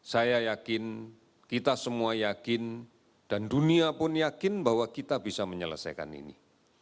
saya yakin kita semua yakin dan dunia pun yakin bahwa kita bisa menyelesaikan ini